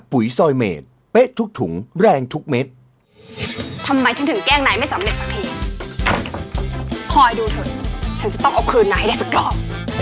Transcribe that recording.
พอดูเถอะฉันจะต้องเอาคืนหน้าให้ได้สักรอบ